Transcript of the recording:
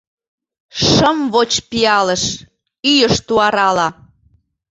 Шым воч пиалыш — ӱйыш туарала.